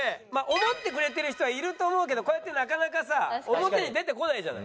思ってくれてる人はいると思うけどこうやってなかなかさ表に出てこないじゃない。